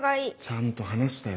ちゃんと話したよな。